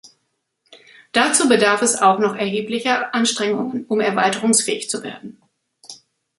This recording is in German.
Dazu bedarf es auch noch erheblicher Anstrengungen, um erweiterungsfähig zu werden.